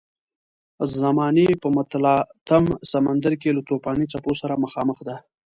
د زمانې په متلاطم سمندر کې له توپاني څپو سره مخامخ ده.